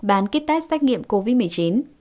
bán kit test tách nghiệm covid một mươi chín